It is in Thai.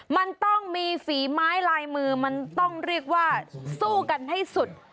มันต้องมีฝีไม้ลายมือมันต้องเรียกว่าสู้กันให้สุด